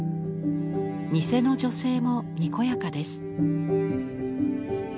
店の女性もにこやかです。